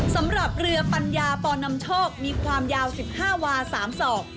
สำหรับเรือปัญญาปอนำโชคมีความยาวสิบห้าวาสามสอก